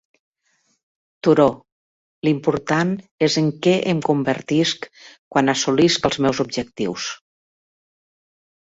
Thoreau: l'important és en què em convertisc quan assolisc els meus objectius.